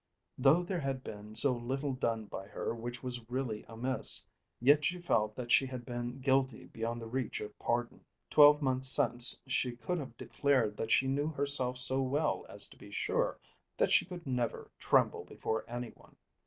Though there had been so little done by her which was really amiss, yet she felt that she had been guilty beyond the reach of pardon. Twelve months since she could have declared that she knew herself so well as to be sure that she could never tremble before anyone.